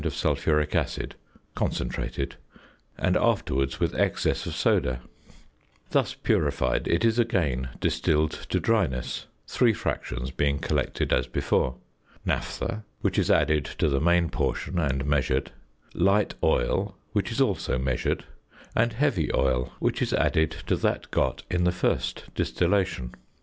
of sulphuric acid (concentrated), and afterwards with excess of soda. Thus purified it is again distilled to dryness, three fractions being collected as before. Naphtha, which is added to the main portion, and measured; "light oil," which is also measured; and "heavy oil," which is added to that got in the first distillation.